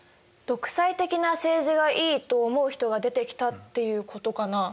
独裁的な政治がいいと思う人が出てきたっていうことかな？